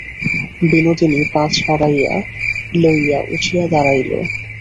বিনোদিনী পা ছাড়াইয়া লইয়া উঠিয়া দাঁড়াইল।